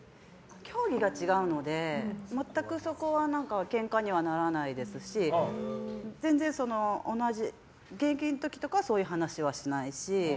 競技が違うのでまったくそこはケンカにはならないですし全然、現役の時とかそういう話しないし。